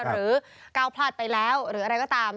หรือก้าวพลาดไปแล้วหรืออะไรก็ตาม